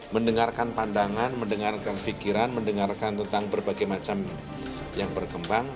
mendengarkan pandangan mendengarkan fikiran mendengarkan tentang berbagai macam yang berkembang